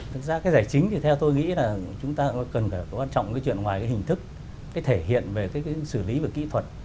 thực ra cái giải chính thì theo tôi nghĩ là chúng ta cần phải có quan trọng cái chuyện ngoài cái hình thức cái thể hiện về cái xử lý về kỹ thuật